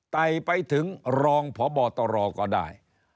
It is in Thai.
ไต่ไปถึงรองพบตรก็ได้